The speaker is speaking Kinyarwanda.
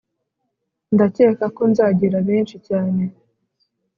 ndakeka ko nzagira benshi cyane